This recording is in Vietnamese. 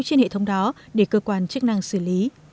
trên hệ thống đó để cơ quan chức năng xử lý